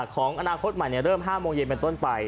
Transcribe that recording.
ของอนาคตใหม่เริ่มที่๐๕๐๐นเป็นต้นไป